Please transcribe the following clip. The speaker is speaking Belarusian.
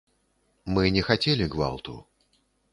Мы не хацелі гвалту.